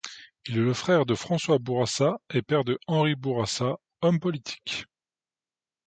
Il est le frère de François Bourassa et père de Henri Bourassa, homme politique.